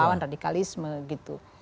melawan radikalisme gitu